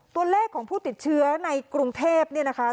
ตัวเลขของผู้ติดเชื้อในกรุงเทพเนี่ยนะคะ